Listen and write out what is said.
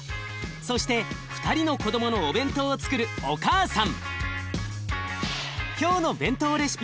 そして２人の子どものお弁当をつくるお母さん。